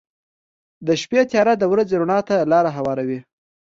• د شپې تیاره د ورځې رڼا ته لاره هواروي.